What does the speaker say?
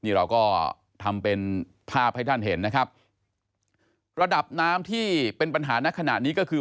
นี่เราก็ทำเป็นภาพให้ท่านเห็นนะครับระดับน้ำที่เป็นปัญหาในขณะนี้ก็คือ